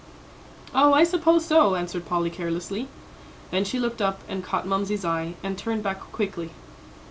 "Oh, I suppose so," answered Polly, carelessly. Then she looked up and caught Mamsie's eye, and turned back quickly.